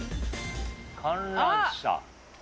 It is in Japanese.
観覧車。